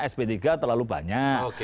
sp tiga terlalu banyak